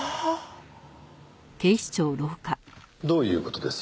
どういう事です？